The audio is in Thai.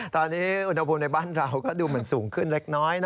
ตอนนี้อุณหภูมิในบ้านเราก็ดูเหมือนสูงขึ้นเล็กน้อยนะ